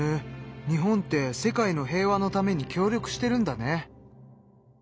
日本って世界の平和のために協力してるんだね。